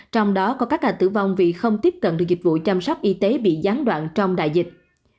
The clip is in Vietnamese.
trong đó có các ca tử vong vì không tiếp cận được dịch vụ chăm sóc y tế bị gián đoạn trong đại dịch